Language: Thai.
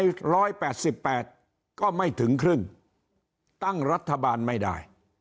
ร้อยแปดสิบแปดก็ไม่ถึงครึ่งตั้งรัฐบาลไม่ได้